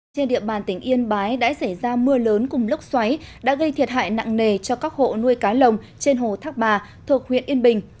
trên địa bàn tỉnh yên bái đã xảy ra mưa lớn cùng lốc xoáy đã gây thiệt hại nặng nề cho các hộ nuôi cá lồng trên hồ thác bà thuộc huyện yên bình